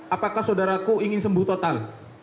apakah saudaraku ingin sembuh total